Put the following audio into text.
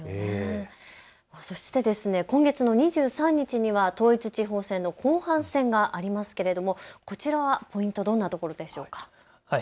そして今月の２３日には統一地方選の後半戦がありますけれどもこちらはポイント、どんなところでしょうか。